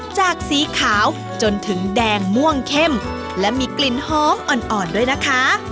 จากสีขาวจนถึงแดงม่วงเข้มและมีกลิ่นหอมอ่อนด้วยนะคะ